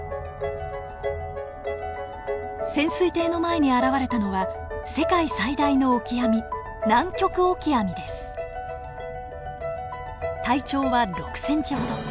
潜水艇の前に現れたのは世界最大のオキアミ体長は６ｃｍほど。